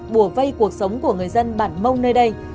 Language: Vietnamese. bùa vây cuộc sống của người dân bản mông nơi đây